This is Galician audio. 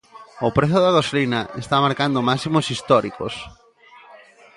O prezo da gasolina está marcando máximos históricos.